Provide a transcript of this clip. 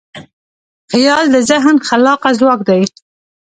خیال د ذهن خلاقه ځواک دی.